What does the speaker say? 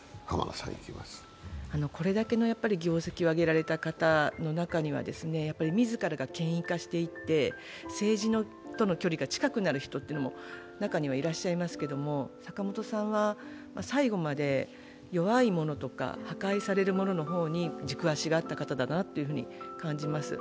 これだけの業績を挙げられた方の中には、自らが権威化していって政治との距離が近くなっていく人も中にはいらっしゃいますけれども坂本さんは、最後まで弱い者とか破壊されるものの方に軸足があった方だなと感じます。